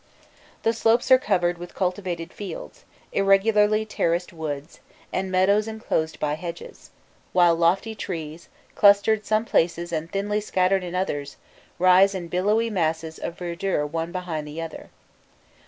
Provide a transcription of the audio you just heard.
The slopes are covered with cultivated fields, irregularly terraced woods, and meadows enclosed by hedges, while lofty trees, clustered in some places and thinly scattered in others, rise in billowy masses of verdure one behind the other.